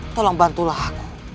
tolong bantulah aku